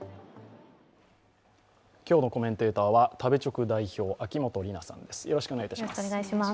今日のコメンテーターは食べチョク代表、秋元里奈さんです。